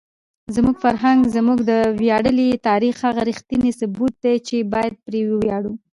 زموږ فرهنګ زموږ د ویاړلي تاریخ هغه ریښتونی ثبوت دی چې باید پرې وویاړو.